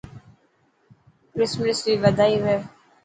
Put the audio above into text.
ڪرسمرس ري وڌائي هوئي.